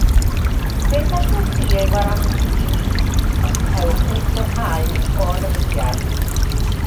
Beth allwch chi ei warantu i mi os cewch eich rhyddhau o ynysiad?